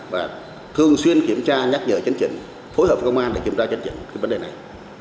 và thường xuyên kiểm tra nhắc nhở chấn chỉnh phối hợp với công an để kiểm tra chấn chỉnh cái vấn đề này